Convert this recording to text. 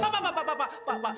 pak pak pak pak pak pak pak pak